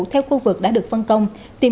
theo khu vực đã được phân công